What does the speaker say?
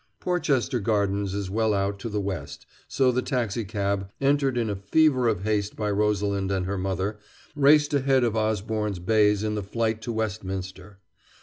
Porchester Gardens is well out to the west, so the taxicab, entered in a fever of haste by Rosalind and her mother, raced ahead of Osborne's bays in the flight to Westminster.